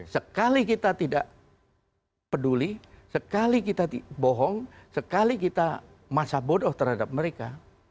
sekali kita tidak peduli sekali kita bohong sekali kita masa bodoh terhadap mereka